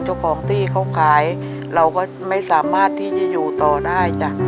เจ้าของที่เขาขายเราก็ไม่สามารถที่จะอยู่ต่อได้จ้ะ